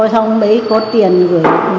xong mới có tiền gửi